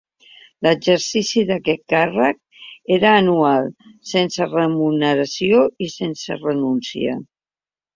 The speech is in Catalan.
L'exercici d'aquest càrrec era anual, sense remuneració i sense renúncia.